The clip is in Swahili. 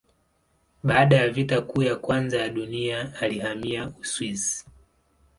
Baada ya Vita Kuu ya Kwanza ya Dunia alihamia Uswisi.